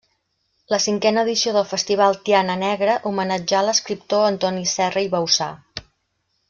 La cinquena edició del festival Tiana Negra homenatjà l'escriptor Antoni Serra i Bauçà.